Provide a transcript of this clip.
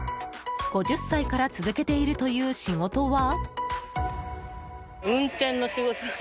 ５０歳から続けているという仕事は？